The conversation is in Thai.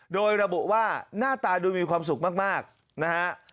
โดยระบุว่าหน้าตาดูมีความสุขมากนะฮะ